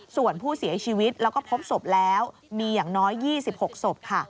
ส่วนผู้เสียชีวิตแล้วก็พบศพแล้วมีอย่างน้อย๒๖ศพค่ะ